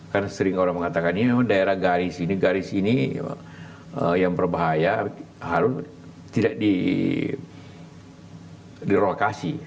karena sering orang mengatakan ini memang daerah garis ini garis ini yang berbahaya harus tidak direlokasi